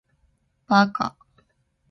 八嘎！